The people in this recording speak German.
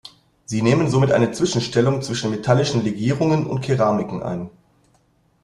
Sie nehmen somit eine Zwischenstellung zwischen metallischen Legierungen und Keramiken ein.